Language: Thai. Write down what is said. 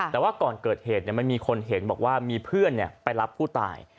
แต่ว่าก่อนเกิดเหตุมันมีคนเห็นบอกว่ามีเพื่อนไปรับผู้ตาย